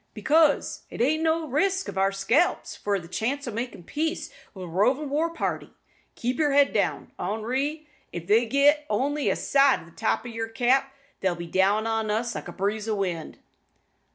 "Because it's o' no use to risk our scalps for the chance o' makin' peace wi' a rovin' war party. Keep yer head down, Henri! If they git only a sight o' the top o' yer cap, they'll be down on us like a breeze o' wind."